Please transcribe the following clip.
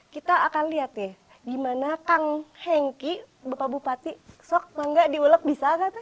kita akan lihat nih gimana kang hengki bapak bupati sok bangga diulek bisa gak teh